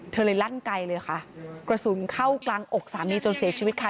เธอเลยลั่นไกลเลยค่ะกระสุนเข้ากลางอกสามีจนเสียชีวิตค่ะ